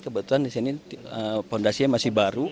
kebetulan di sini fondasinya masih baru